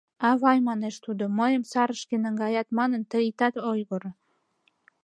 — Авай, — манеш тудо, — мыйым сарышке наҥгаят манын, тый итат ойгыро.